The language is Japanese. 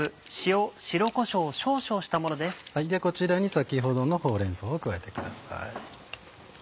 こちらに先ほどのほうれん草を加えてください。